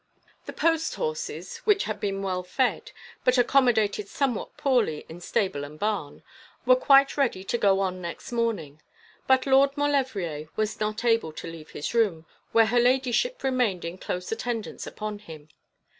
The post horses which had been well fed, but accommodated somewhat poorly in stable and barn were quite ready to go on next morning; but Lord Maulevrier was not able to leave his room, where her ladyship remained in close attendance upon him.